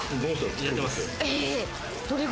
やってますよ。